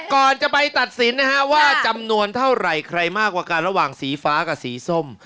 ก่อนจะไปตัดสินนะฮะว่าจำนวนเท่าไหร่ใครมากกว่ากันระหว่างสีฟ้ากับสีส้ม